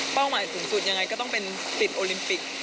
หมายสูงสุดยังไงก็ต้องเป็นติดโอลิมปิก